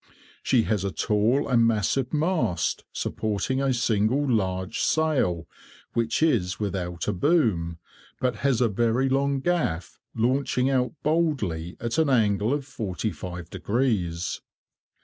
She has a tall and massive mast supporting a single large sail which is without a boom, but has a very long gaff launching out boldly at an angle of forty five degrees.